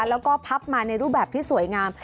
แล้วก็พับมาในรูปแบบที่สวยงาม